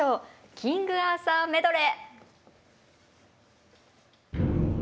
「キングアーサーメドレー」。